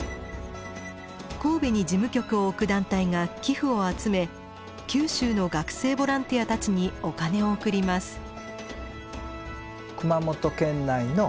神戸に事務局を置く団体が寄付を集め九州の学生ボランティアたちにお金を送ります。